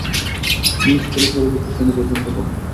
তিনি স্কুলে সর্বোচ্চ শ্রেণি পর্যন্ত পড়েন।